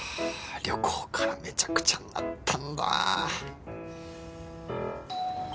旅行からめちゃくちゃになったんだ。